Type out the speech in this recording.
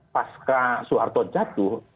paska soeharto jatuh